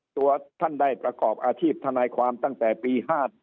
ตัวท่านได้ประกอบอาชีพทนายความตั้งแต่ปี๕๗